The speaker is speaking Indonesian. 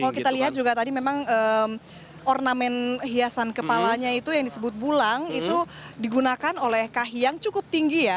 kalau kita lihat juga tadi memang ornamen hiasan kepalanya itu yang disebut bulang itu digunakan oleh kahiyang cukup tinggi ya